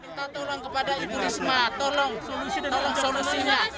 minta tolong kepada ibu risma tolong solusinya